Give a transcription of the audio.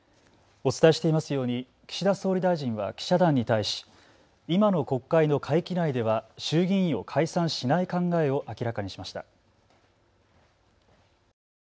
お伝えしていますように岸田総理大臣は記者団に対し今の国会の会期内では衆議院を解散しない考えを明らかにしました。